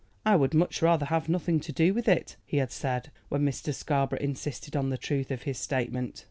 "I would much rather have nothing to do with it," he had said when Mr. Scarborough insisted on the truth of his statement.